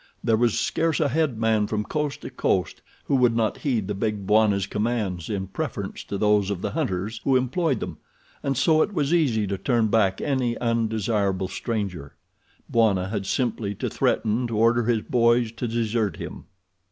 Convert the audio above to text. There was scarce a head man from coast to coast who would not heed the big Bwana's commands in preference to those of the hunters who employed them, and so it was easy to turn back any undesirable stranger—Bwana had simply to threaten to order his boys to desert him.